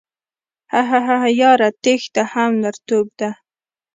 هههههه یاره تیښته هم نرتوب ده